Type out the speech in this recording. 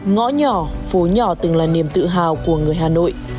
ngõ nhỏ phố nhỏ từng là niềm tự hào của người hà nội